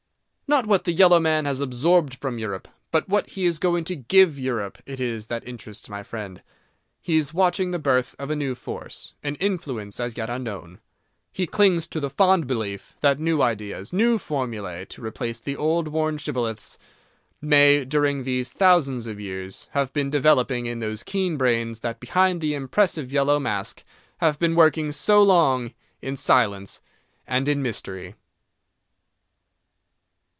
Not what the yellow man has absorbed from Europe, but what he is going to give Europe it is that interests my friend. He is watching the birth of a new force—an influence as yet unknown. He clings to the fond belief that new ideas, new formulæ, to replace the old worn shibboleths, may, during these thousands of years, have been developing in those keen brains that behind the impressive yellow mask have been working so long in silence and in mystery.